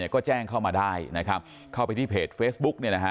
ก็แจ้งเข้ามาได้นะครับเข้าไปที่เพจเฟซบุ๊กเนี่ยนะฮะ